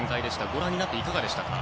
ご覧になっていかがでしたか。